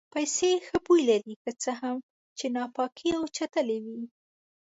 پیسې ښه بوی لري که څه هم چې ناپاکې او چټلې وي.